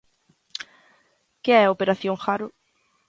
Que é a Operación Jaro?